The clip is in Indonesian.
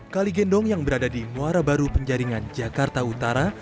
kali gendong yang berada di muara baru penjaringan jakarta utara